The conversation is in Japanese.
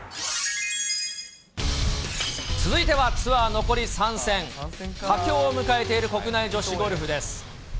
続いてはツアー残り３戦、佳境を迎えている国内女子ゴルフです。